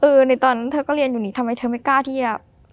ในตอนนั้นเธอก็เรียนอยู่นี้ทำไมเธอไม่กล้าที่จะ